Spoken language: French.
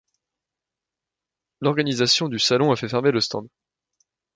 L’organisation du salon a fait fermer le stand.